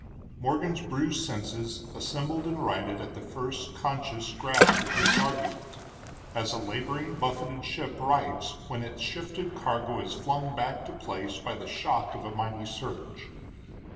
Morgan's bruised senses assembled and righted at the first conscious grasp of this argument, as a laboring, buffeted ship rights when its shifted cargo is flung back to place by the shock of a mighty surge.